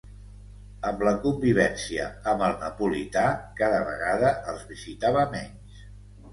Amb la convivència amb el napolità, cada vegada els visitava menys.